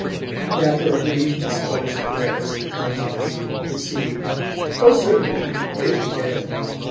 and after a brief, astonished glance at the contents, received 'Oh certainly if you can!'